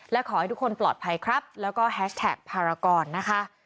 และขอให้ทุกคนปลอดภัยครับแล้วก็แฮชแท็กภารกรนะคะ